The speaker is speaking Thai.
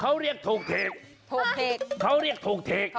เขาเรียกถูกเทก